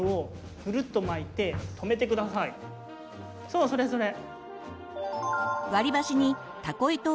そうそれそれ。